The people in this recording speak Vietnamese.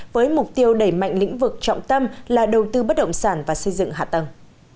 với mục tiêu đẩy mạnh lĩnh vực trọng tâm là đầu tư bất động sản và xây dựng hạ tầng